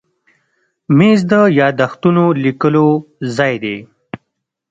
مېز د یاداښتونو لیکلو ځای دی.